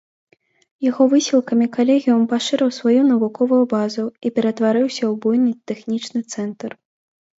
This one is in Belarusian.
Яго высілкамі калегіум пашырыў сваю навуковую базу і ператварыўся ў буйны тэхнічны цэнтр.